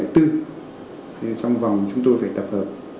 thì trong vòng chúng tôi phải tập hợp